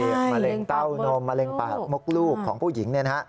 มะเร็งเต้านมมะเร็งปากมกลูกของผู้หญิงเนี่ยนะฮะ